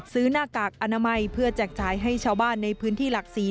หน้ากากอนามัยเพื่อแจกจ่ายให้ชาวบ้านในพื้นที่หลักศรี